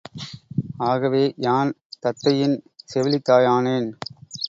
ஆகவே யான் தத்தையின் செவிலித் தாயானேன்.